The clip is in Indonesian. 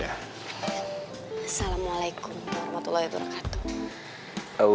assalamualaikum warahmatullahi wabarakatuh